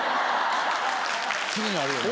気になるよね。